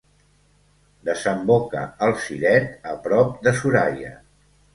Desemboca al Siret, a prop de Suraia.